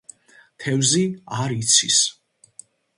თევზი არ იცის.